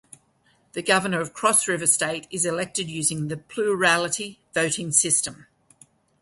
The Governor of Cross River State is elected using the plurality voting system.